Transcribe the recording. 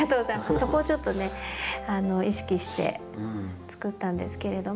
そこをちょっと意識してつくったんですけれども。